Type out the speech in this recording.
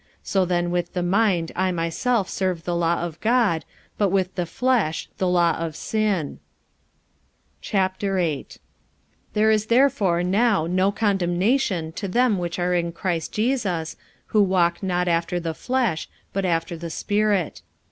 So then with the mind I myself serve the law of God; but with the flesh the law of sin. 45:008:001 There is therefore now no condemnation to them which are in Christ Jesus, who walk not after the flesh, but after the Spirit.